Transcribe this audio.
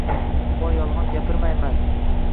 Voy, yolg‘on gapiramanma